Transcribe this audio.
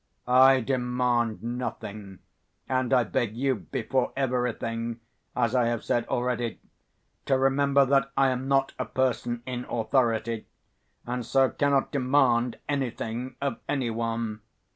"I demand nothing, and I beg you, before everything as I have said already to remember that I am not a person in authority and so cannot demand anything of any one.